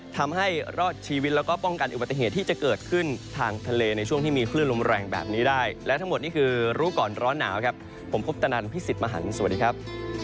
ที่จะเกิดขึ้นทางทะเลในช่วงที่มีคลื่นลมแรงแบบนี้ได้และทั้งหมดนี้คือรู้ก่อนร้อนหนาวครับผมพบตนันพี่สิทธิ์มหังสวัสดีครับ